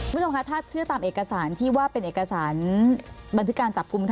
คุณผู้ชมคะถ้าเชื่อตามเอกสารที่ว่าเป็นเอกสารบันทึกการจับกลุ่ม